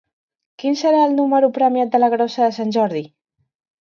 Quin serà el número premiat de la Grossa de Sant Jordi?